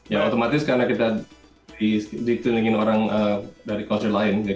ya otomatis karena kita di titik titikin orang dari kualitas lainnya ya